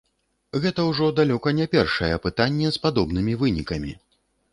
Гэта ўжо далёка не першае апытанне з падобнымі вынікамі.